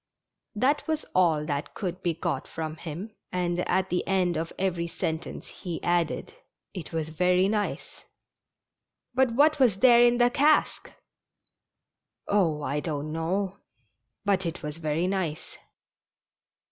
That was all that could be got from him, and at the end of every sentence he added : "It was very nice !"" But what was there in the cask ?"" Oh, I don't know, but it was very nice